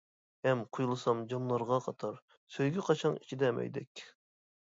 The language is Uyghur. ھەم قۇيۇلسام جاملارغا قاتار، سۆيگۈ قاچاڭ ئىچىدە مەيدەك.